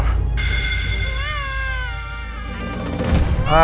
raff udah dulu ya